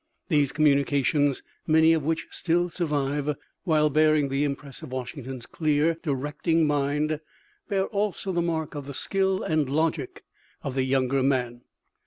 These communications, many of which still survive, while bearing the impress of Washington's clear, directing mind, bear also the mark of the skill and logic of the younger man.